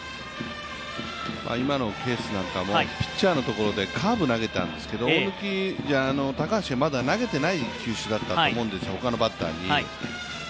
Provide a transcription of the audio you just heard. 今のケースなんかもピッチャーのところでカーブを投げたんですけど高橋はまだ投げていない球種だったと思うんですよ、ほかのバッターに。